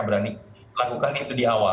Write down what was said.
berani lakukan itu di awal